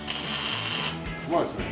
うまいですね。